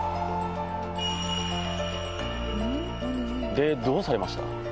でどうされました？